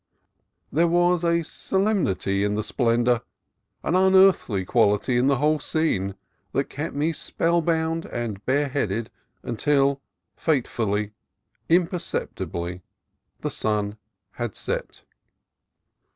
There was a solemnity in the splendor, an unearthly quality in the whole scene, that kept me spellbound and bareheaded until, fate fully, imperceptibly, the sun had set.